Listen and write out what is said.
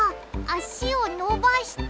あしをのばした！